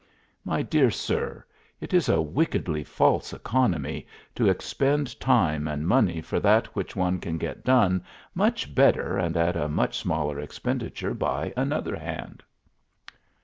My dear sir, it is a wickedly false economy to expend time and money for that which one can get done much better and at a much smaller expenditure by another hand."